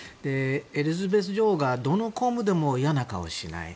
エリザベス女王がどの公務でも嫌な顔をしない